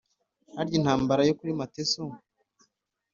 harya intambara yo kuri mateso